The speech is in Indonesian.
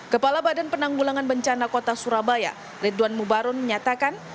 kepala badan penanggulangan bencana kota surabaya ridwan mubarun menyatakan